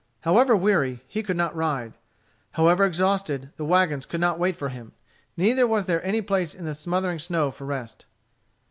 However weary, he could not ride. However exhausted, the wagons could not wait for him; neither was there any place in the smothering snow for rest.